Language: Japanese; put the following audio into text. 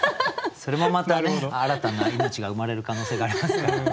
それもまたね新たな命が生まれる可能性がありますからね。